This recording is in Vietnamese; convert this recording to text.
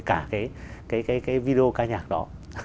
cả cái video ca nhạc đó